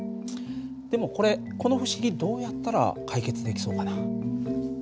でもこれこの不思議どうやったら解決できそうかな？